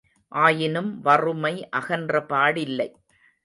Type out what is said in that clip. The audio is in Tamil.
ஆயினும் வறுமை அகன்றபாடில்லை.